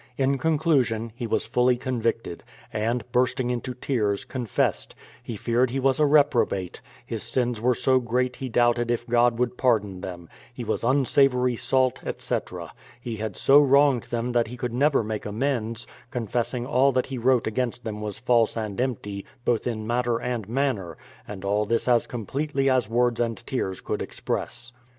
Jn conclusion, he was fully convicted, and, bursting into 154 BRADFORD'S HISTORY OF tears, confessed: he feared he was a reprobate; his sins were so great he doubted if God would pardon them ; he was unsavoury salt, etc. ; he had so wronged them that he could never make amends, confessing all that he wrote against them was false and empty, both in matter and manner — and all this as completely as words and tears could express.